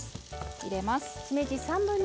入れます。